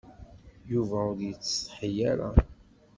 Yuba ur yettsetḥi ara.